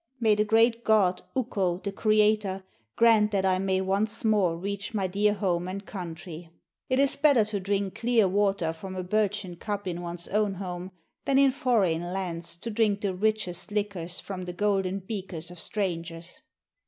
May the great god, Ukko, the Creator, grant that I may once more reach my dear home and country. It is better to drink clear water from a birchen cup in one's own home, than in foreign lands to drink the richest liquors from the golden beakers of strangers.'